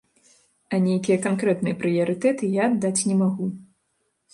А нейкія канкрэтныя прыярытэты я аддаць не магу.